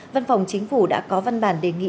văn phòng chính phủ đã có văn bản đề nghị